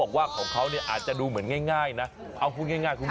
คุณเข้าใจคำนี้มั้ย